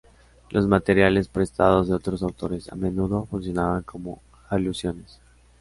Los materiales prestados de otros autores a menudo funcionaban como alusiones.